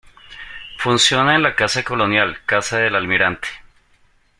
Funciona en la casona colonial Casa del Almirante.